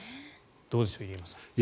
どうでしょう、入山さん。